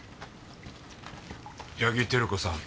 八木照子さん